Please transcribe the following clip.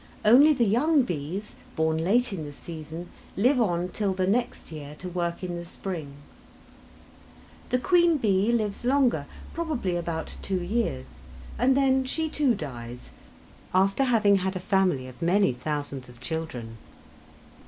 Only the young bees, born late in the season, live on till the next year to work in the spring. The queen bee lives longer, probably about two years, and then she too dies, after having had a family of many thousands of children.